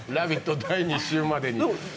第２週までに。